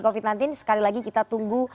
covid nanti sekali lagi kita tunggu